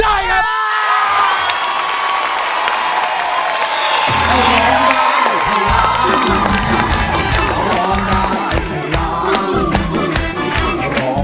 เค้ารับหม่อน่าสดใส